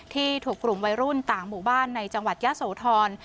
ที่ถูกกลุ่มวัยรุ่นต่างหมู่บ้านในจังหวัดยะโสธร